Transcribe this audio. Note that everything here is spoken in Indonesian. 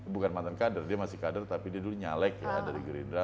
bukan mantan kader dia masih kader tapi dia dulu nyalek ya dari gerindra